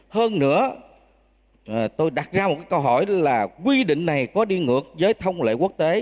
hơn nữa tôi đặt ra một câu hỏi là quy định này có đi ngược với thông lệ quốc tế